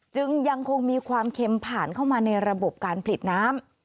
จึงยังคงมีความเค็มผ่านเข้ามาในระบบการผลิตน้ำ